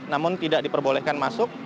namun tidak diperbolehkan masuk